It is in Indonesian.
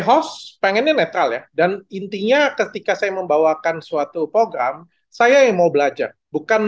host pengennya netral ya dan intinya ketika saya membawakan suatu program saya yang mau belajar bukan